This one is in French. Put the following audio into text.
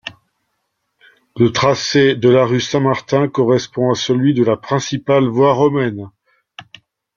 Le tracé de la rue Saint-Martin correspond à celui de la principale voie romaine.